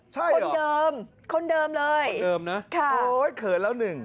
ใช่เคินเดิมคนเดิมเลยค่ะโอ๊ยเขินแล้วหนึ่ง